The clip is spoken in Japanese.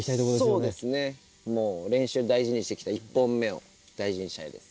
そうですね、もう、練習で大事にしてきた１本目を大事にしたいです。